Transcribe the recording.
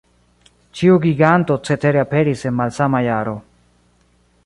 Ĉiu giganto cetere aperis en malsama jaro.